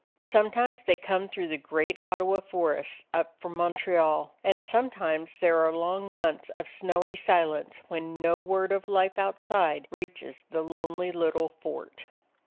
Sometimes they come through the great Ottawa forests up from Montreal, and sometimes there are long months of snowy silence when no word of life outside reaches the lonely little fort.